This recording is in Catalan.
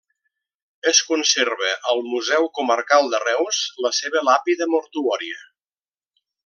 Es conserva al Museu Comarcal de Reus la seva làpida mortuòria.